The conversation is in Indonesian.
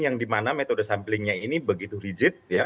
yang dimana metode samplingnya ini begitu rigid ya